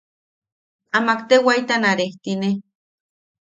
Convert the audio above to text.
Amak te waitana rejtine.